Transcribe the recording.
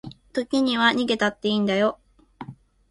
時には逃げたっていいんだよ